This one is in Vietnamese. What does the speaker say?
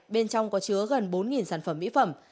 bên trong có chứa gần bốn sản phẩm mỹ phẩm